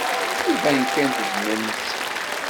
Iban kan tejjmem-tt.